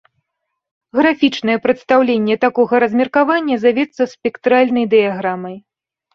Графічнае прадстаўленне такога размеркавання завецца спектральнай дыяграмай.